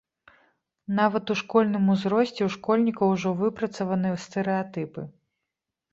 Нават у школьным узросце ў школьнікаў ужо выпрацаваны стэрэатыпы.